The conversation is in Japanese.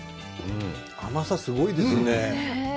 甘さがすごいですね。